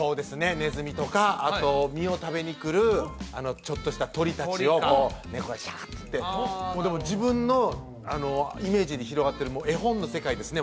ネズミとかあと実を食べに来るちょっとした鳥達をこう猫がシャーッてもうでも自分のイメージで広がってる絵本の世界ですね